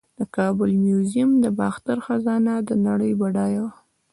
د کابل میوزیم د باختر خزانه د نړۍ بډایه وه